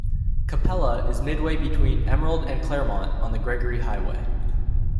Capella is midway between Emerald and Clermont on the Gregory Highway.